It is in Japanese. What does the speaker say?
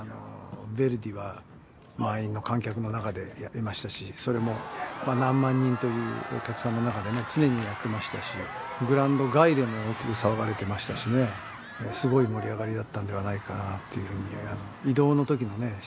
ヴェルディは満員の観客の中でやってましたしそれもまあ何万人というお客さんの中でね常にやってましたしグラウンド外でも大きく騒がれてましたしねすごい盛り上がりだったんではないかなっていうふうに移動の時のね